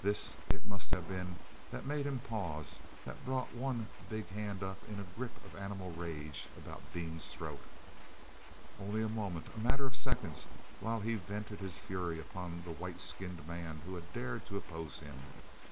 This it must have been that made him pause, that brought one big hand up in a grip of animal rage about Dean's throat. Only a moment—a matter of seconds—while he vented his fury upon this white skinned man who had dared to oppose him.